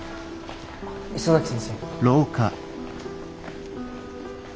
磯崎先生。